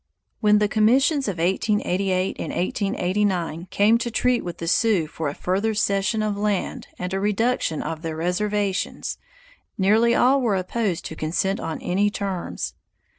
When the Commissions of 1888 and 1889 came to treat with the Sioux for a further cession of land and a reduction of their reservations, nearly all were opposed to consent on any terms.